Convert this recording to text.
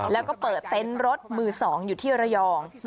แล้วก็เปิดเต็นต์รถมือ๒อยู่ที่ระยอง